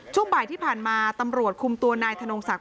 ช่วงบ่ายที่ผ่านมาตำรวจคุมตัวนายธนงศักดิ